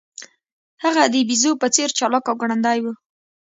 هغه د بیزو په څیر چلاک او ګړندی و.